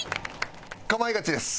『かまいガチ』です。